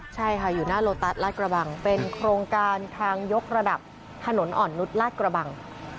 ใช่ค่ะอยู่หน้าโลตัสลาดกระบังเป็นโครงการทางยกระดับถนนอ่อนนุษย์ลาดกระบัง